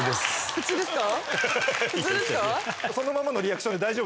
普通ですか？